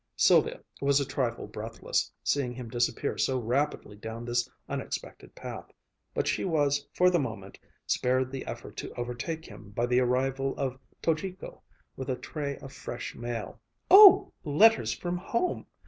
Sylvia was a trifle breathless, seeing him disappear so rapidly down this unexpected path, but she was for the moment spared the effort to overtake him by the arrival of Tojiko with a tray of fresh mail. "Oh, letters from home!"